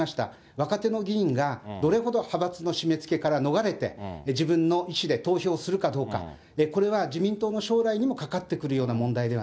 若手の議員がどれほど派閥の締めつけから逃れて、自分の意思で投票するかどうか、これは自民党の将来にもかかってくるような問題